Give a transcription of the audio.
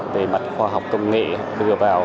về mặt khoa học công nghệ đưa vào